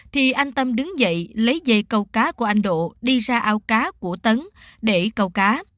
thì anh tâm đứng dậy lấy dây câu cá của anh độ đi ra ao cá của tấn để cầu cá